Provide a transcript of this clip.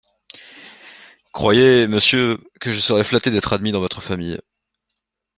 Croyez, monsieur, que je serais flatté D’être admis dans votre famille…